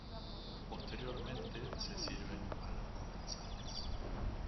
Posteriormente se sirven a los comensales.